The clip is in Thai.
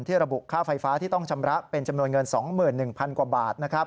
ระบุค่าไฟฟ้าที่ต้องชำระเป็นจำนวนเงิน๒๑๐๐๐กว่าบาท